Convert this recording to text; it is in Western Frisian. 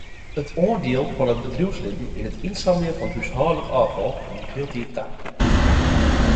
It oandiel fan it bedriuwslibben yn it ynsammeljen fan húshâldlik ôffal nimt hieltyd ta.